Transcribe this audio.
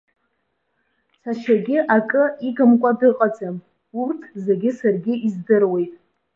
Сашьагьы акы игымкәа дыҟаӡам, урҭ зегь саргьы издыруеит.